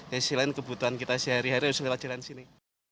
dan sisi lain kebutuhan kita sehari hari harus jalan sini